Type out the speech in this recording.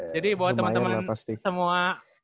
jadi buat teman teman semua